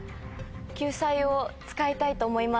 救済を使いたいと思います。